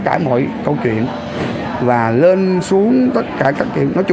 đồng thời cũng là thời điểm xác sự